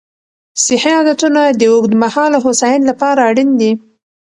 صحي عادتونه د اوږدمهاله هوساینې لپاره اړین دي.